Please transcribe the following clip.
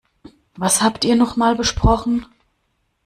Was habt ihr noch mal besprochen?